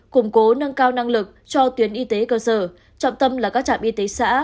củng cố nâng cao năng lực cho tuyến y tế cơ sở trọng tâm là các trạm y tế xã